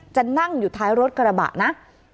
จะนั่งอยู่ท้ายรถกระบะนะ